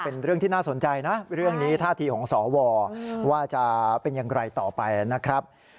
เป็นเรื่องที่น่าสนใจนะเรื่องนี้ท่าทีของสวว่าจะเป็นอย่างไรต่อไปนะครับ